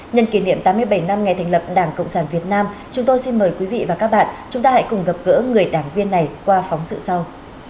nhân kỷ niệm tám mươi bảy năm ngày thành lập đảng cộng sản việt nam chúng tôi xin mời quý vị và các bạn chúng ta hãy cùng gặp gỡ người đảng viên này qua phóng sự sau